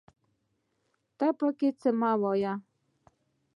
ته پکې څه مه وايه